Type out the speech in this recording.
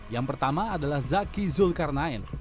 yang pertama adalah zaki zulkarnain